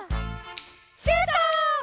シュート！